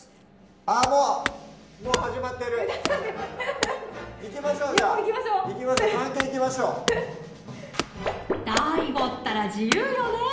あっもうもう始まってる行きましょうじゃあ行きましょう探検行きましょうＤＡＩＧＯったら自由よね！